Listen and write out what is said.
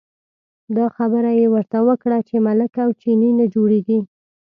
دا خبره یې ورته وکړه چې ملک او چینی نه جوړېږي.